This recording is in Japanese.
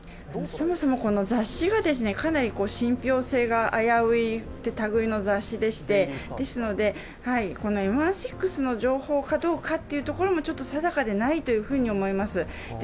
そもそも雑誌がかなり信ぴょう性が危ういたぐいの雑誌ですのでですので、ＭＩ６の情報かどうかというところも定かではないと思います。